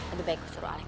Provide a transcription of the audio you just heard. aduh baik gue suruh alex